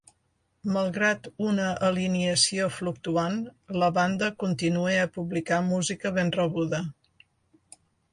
Malgrat una alineació fluctuant, la banda continua a publicar música ben rebuda.